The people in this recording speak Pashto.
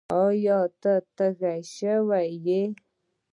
ایا؛ ته تږی شوی یې؟